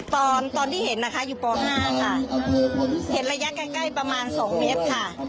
ตอนที่เห็นนะคะอยู่ป๕ค่ะเห็นระยะใกล้ใกล้ประมาณ๒เมตรค่ะ